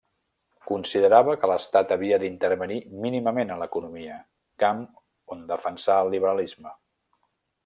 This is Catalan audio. Considerava que l'Estat havia d'intervenir mínimament en l'economia, camp on defensà el liberalisme.